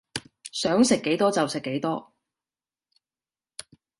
想食幾多就食幾多